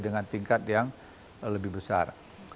dengan tingkat yang lebih besar